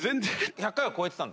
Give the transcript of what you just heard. １００回は超えてたんだ？